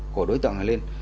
của đối tượng này lên